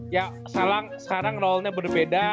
ya sekarang sekarang role nya berbeda